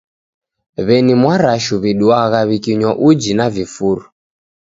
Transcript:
W'eni mwarashu w'iduagha wikinywa uji na vifuru.